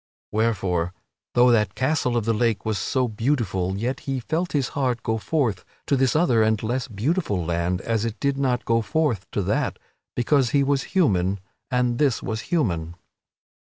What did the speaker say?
Wherefore, though that Castle of the Lake was so beautiful, yet he felt his heart go forth to this other and less beautiful land as it did not go forth to that, because he was human and this was human.